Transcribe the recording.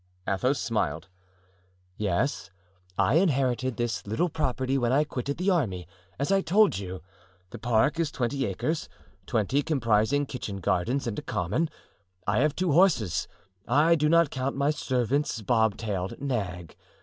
Athos smiled. "Yes, I inherited this little property when I quitted the army, as I told you. The park is twenty acres—twenty, comprising kitchen gardens and a common. I have two horses,—I do not count my servant's bobtailed nag.